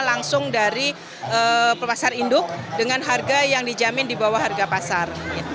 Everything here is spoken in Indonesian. langsung dari pasar induk dengan harga yang dijamin di bawah harga pasar